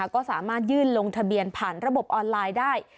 ก็สามารถยื่นลงทะเบียนผ่านระบบออนไลน์ได้